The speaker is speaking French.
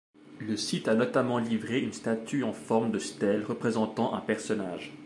Le site a notamment livré une statue en forme de stèle représentant un personnage.